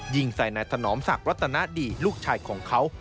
ยิงใส่นายถนอมศักดิรัตนดีลูกชายของเขา